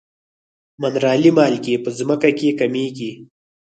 منرالي مالګې په ځمکه کې کمیږي.